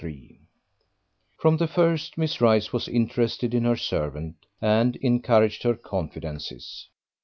XXIII From the first Miss Rice was interested in her servant, and encouraged her confidences.